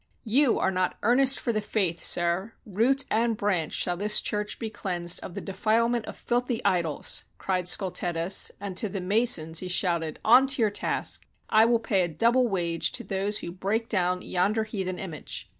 "You are not earnest for the Faith, sir! Root and branch shall this church be cleansed of the defilement of filthy idols," cried Scultetus, and to the masons he shouted: "On to your task! I will pay a double wage to those who break down yonder heathen image."